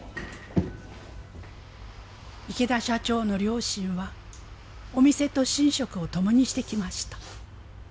池田社長の両親はお店と寝食を共にしてきました。